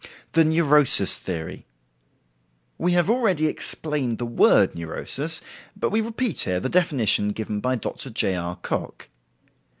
The Neurosis Theory. We have already explained the word neurosis, but we repeat here the definition given by Dr. J. R. Cocke.